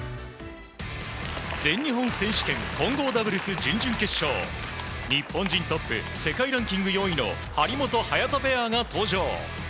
全日本選手権混合ダブルス準々決勝、日本人トップ世界ランキング４位の張本、早田ペアが登場。